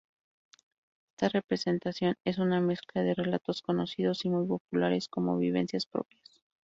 Esta representación es una mezcla de relatos conocidos y muy populares con vivencias propias.